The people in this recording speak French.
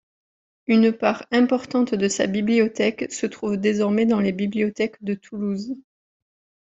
Une part importante de sa bibliothèque se trouve désormais dans les bibliothèques de Toulouse.